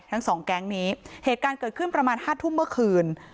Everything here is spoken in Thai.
ทั้งสองแก๊งนี้เหตุการณ์เกิดขึ้นประมาณห้าทุ่มเมื่อคืน